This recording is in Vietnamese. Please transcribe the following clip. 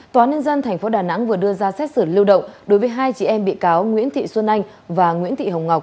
tòa nhân dân tp đà nẵng vừa đưa ra xét xử lưu động đối với hai chị em bị cáo nguyễn thị xuân anh và nguyễn thị hồng ngọc